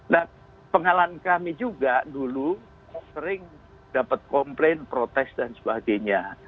nah pengalaman kami juga dulu sering dapat komplain protes dan sebagainya